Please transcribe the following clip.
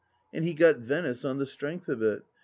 And he got Venice, on the strength of it.